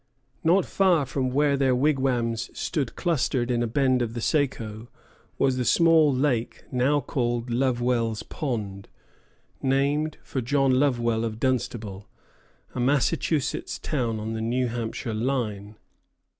Not far from where their wigwams stood clustered in a bend of the Saco was the small lake now called Lovewell's Pond, named for John Lovewell of Dunstable, a Massachusetts town on the New Hampshire line.